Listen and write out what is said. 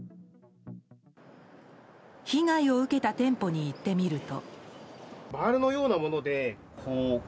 被害を受けた店舗に行ってみると。